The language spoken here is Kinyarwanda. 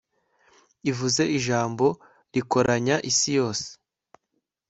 ivuze ijambo rikoranya isi yose